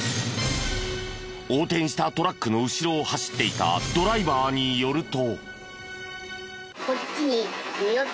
横転したトラックの後ろを走っていたドライバーによると。